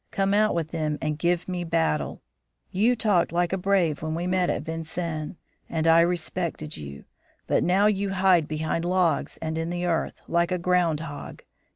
Come out with them and give me battle. You talked like a brave when we met at Vincennes, and I respected you; but now you hide behind logs and in the earth, like a ground hog.